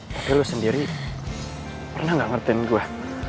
tapi lo sendiri pernah nggak ngertiin gue